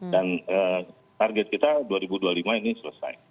dan target kita dua ribu dua puluh lima ini selesai